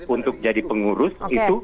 untuk jadi pengurus itu